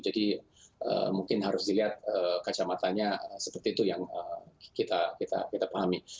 jadi mungkin harus dilihat kacamatanya seperti itu yang kita pahami